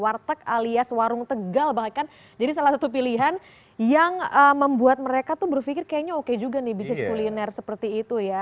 warteg alias warung tegal bahkan jadi salah satu pilihan yang membuat mereka tuh berpikir kayaknya oke juga nih bisnis kuliner seperti itu ya